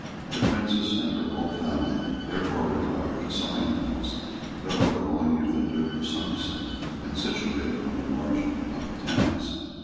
The Princess and her whole family therefore retired to Sion House, a villa belonging to the Duke of Somerset, and situated on the margin of the Thames.